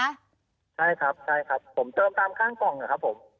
ใช่ครับผมเติมตามข้างกล่องครับผม